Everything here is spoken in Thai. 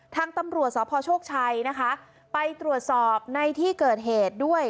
ทางตำรวจสพโชคชัยนะคะไปตรวจสอบในที่เกิดเหตุด้วย